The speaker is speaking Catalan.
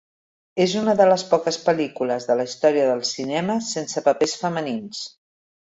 És una de les poques pel·lícules de la història del cinema sense papers femenins.